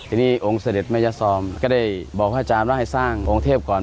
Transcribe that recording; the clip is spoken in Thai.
ทีนี้องค์เสด็จแม่ซอมก็ได้บอกพระอาจารย์ว่าให้สร้างองค์เทพก่อน